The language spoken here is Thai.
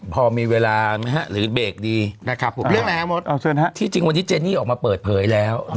พอมีเวลาหรือเบรกดีที่จริงวันนี้เจนี่ออกมาเปิดเผยแล้ว